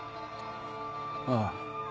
ああ。